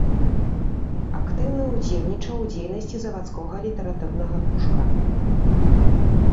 Актыўна ўдзельнічаў у дзейнасці завадскога літаратурнага кружка.